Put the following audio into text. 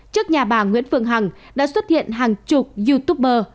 trước nhà bà nguyễn phương hằng đã xuất hiện hàng chục youtuber